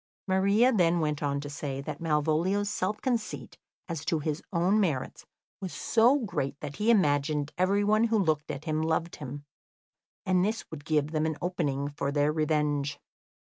] Maria then went on to say that Malvolio's self conceit as to his own merits was so great that he imagined everyone who looked at him loved him, and this would give them an opening for their revenge.